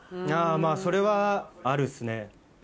それはあるっすね。